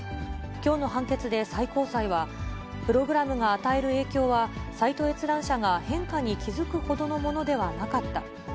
きょうの判決で最高裁は、プログラムが与える影響は、サイト閲覧者が変化に気付くほどのものではなかった。